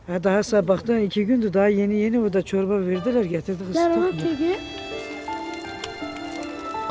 ada sabaktan iki gendut ayini yini mudah corba berderai getar gerak juga